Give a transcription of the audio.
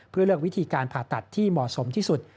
เพื่อเลือกวิธีการผ่าตัดที่เหมาะสมที่สุด